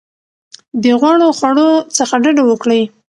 د غوړو خوړو څخه ډډه وکړئ.